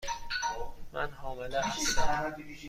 من حامله هستم.